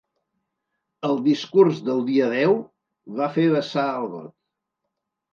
El discurs del dia deu ‘va fer vessar el got’